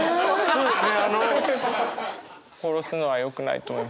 そうですね！